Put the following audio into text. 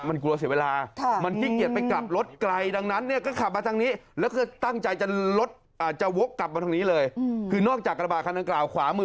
บางคนกลัวเสียเวลา